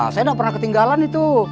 saya udah pernah ketinggalan itu